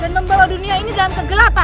dan membawa dunia ini dalam kegelapan